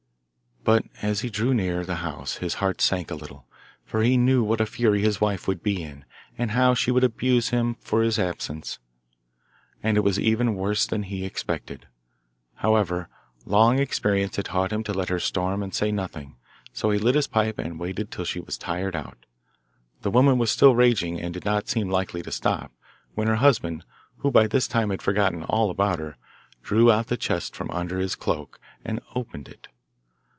But as he drew near the house his heart sank a little, for he knew what a fury his wife would be in, and how she would abuse him for his absence. And it was even worse than he expected. However, long experience had taught him to let her storm and say nothing, so he lit his pipe and waited till she was tired out. The woman was still raging, and did not seem likely to stop, when her husband, who by this time had forgotten all about her, drew out the chest from under his cloak, and opened it.